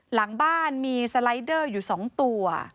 หลังบ้านมีสไลดเดอร์อยู่๒ตัว